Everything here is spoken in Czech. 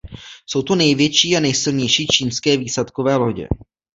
Jsou to největší a nejsilnější čínské výsadkové lodě.